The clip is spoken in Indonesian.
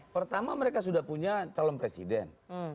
pertama mereka sudah punya calon presiden